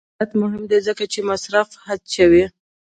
آزاد تجارت مهم دی ځکه چې مصرف هڅوي.